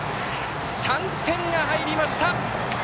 ３点が入りました！